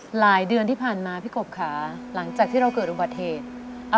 หลายเดือนที่ผ่านมาพี่กบค่ะหลังจากที่เราเกิดอุบัติเหตุ